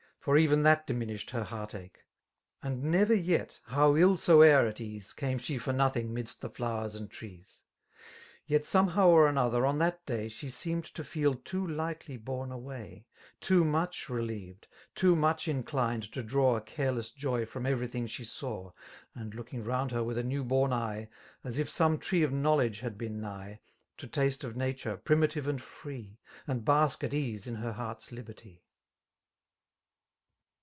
For even that diminished her heart a^he$ And never yet, how ill soe'er at ease. Came she fbr nothing 'midst the flowers and trees. Yet somehow or another, on that day. She seemed to feel too lightly borne away, — Too much relieved,— too much inclined to draw A careless joy from every thing she saw. And looking, round her with a new bom eye, As if some tree of knowledge had been nigh» To taste of nature, primitive and free. And bask at ease in her heart's liberty.